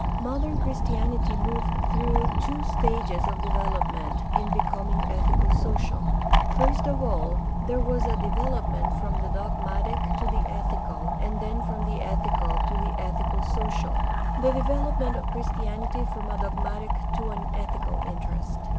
Modern Christianity moved through two stages of devel opment in becoming ethico social: first of all there was a 470 GUIDE TO STUDY OF CHRISTIAN RELIGION development from the dogmatic to the ethical, and then from the ethical to the ethico social. The development of Christianity from a dogmatic to an ethical interest.